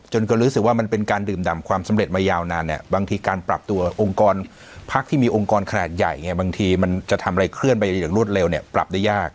จนก็รู้สึกว่ามันเป็นการดื่มดำความสำเร็จมายาวนานเนี่ยบางทีการปรับตัวองค์กรพักที่มีองค์กรขนาดใหญ่เนี่ยบางทีมันจะทำอะไรเคลื่อนไปอย่างรวดเร็วเนี่ยปรับได้ยาก